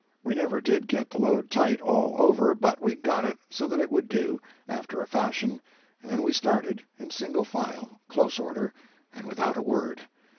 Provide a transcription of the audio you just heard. We never did get the load tight all over, but we got it so that it would do, after a fashion, and then we started, in single file, close order, and without a word.